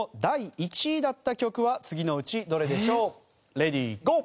レディーゴー！